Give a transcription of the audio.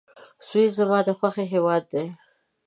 سویس زما د خوښي هېواد دی.